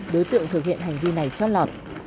đối tượng thực hiện hành vi này trót lọt